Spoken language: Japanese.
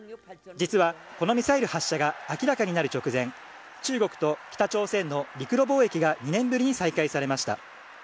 実はこのミサイル発射が明らかになる直前、中国と北朝鮮の陸路貿易が２年ぶりに再開されました。